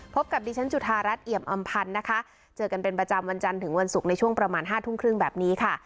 กับดิฉันจุธารัฐเอี่ยมอำพันธ์นะคะเจอกันเป็นประจำวันจันทร์ถึงวันศุกร์ในช่วงประมาณห้าทุ่มครึ่งแบบนี้ค่ะ